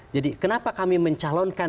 jadi kenapa kami mencalonkan